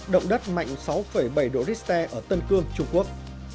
động đất mạnh sáu bảy độ richter ở tân cương trung quốc